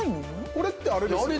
これって、あれですよ。